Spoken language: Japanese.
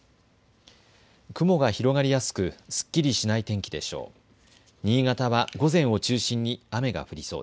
雲が広がりやすくすっきりしない天気でしょう。